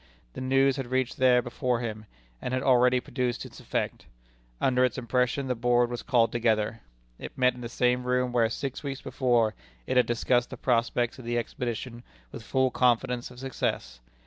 The news had reached there before him, and had already produced its effect. Under its impression the Board was called together. It met in the same room where, six weeks before, it had discussed the prospects of the expedition with full confidence of success.